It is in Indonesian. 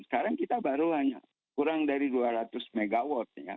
sekarang kita baru hanya kurang dari dua ratus mw